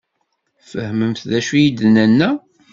Tfehmemt d acu i d-nenna?